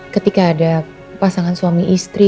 ketika ada pasangan suami istri